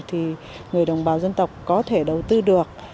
thì người đồng bào dân tộc có thể đầu tư được